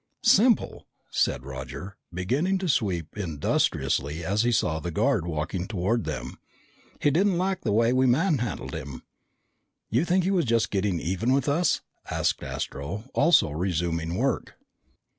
"Simple," said Roger, beginning to sweep industriously as he saw the guard walking toward them. "He didn't like the way we manhandled him." "You think he was just getting even with us?" asked Astro, also resuming work.